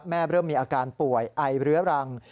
เริ่มมีอาการป่วยไอเรื้อรัง